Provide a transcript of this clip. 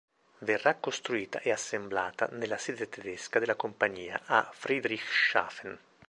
Verrà costruita e assemblata nella sede tedesca della compagnia a Friedrichshafen.